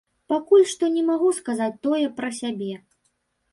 Пакуль што не магу сказаць тое пра сябе.